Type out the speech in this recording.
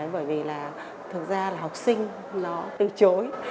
bởi vì là thực ra là học sinh nó từ chối